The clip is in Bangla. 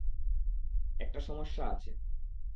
একটা সমস্যা আছে।